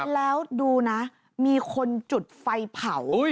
แล้วดูนะมีคนจุดไฟเผา